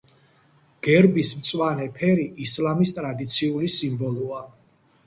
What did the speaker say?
გერბის მწვანე ფერი ისლამის ტრადიციული სიმბოლოა.